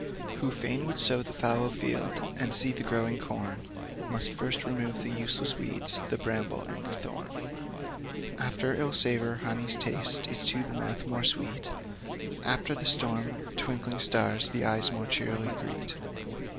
Who fain would sow the fallow field, And see the growing corn, Must first remove the useless weeds, The bramble and the thorn. After ill savour, honey's taste Is to the mouth more sweet; After the storm, the twinkling stars The eyes more cheerly greet.